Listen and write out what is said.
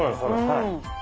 はい。